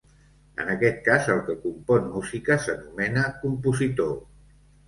En aquest cas el que compon música s'anomena compositor.